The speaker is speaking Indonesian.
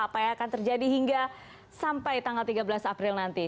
apa yang akan terjadi hingga sampai tanggal tiga belas april nanti